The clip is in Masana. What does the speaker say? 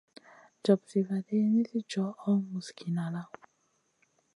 Jopsiy vaɗi, nisi johʼo musgi nala.